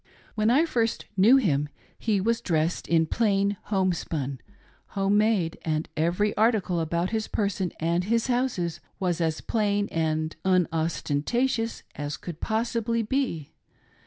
When I first knew him he dressed in plain, homespun, homemade, and every article about his person and his houses, was as plain and unostentatious as could possibly be.